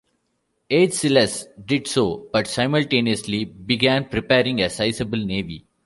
Agesilaus did so, but simultaneously began preparing a sizable navy.